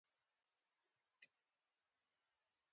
زه د خپلو ملګرو سره د علم په اړه خبرې کوم.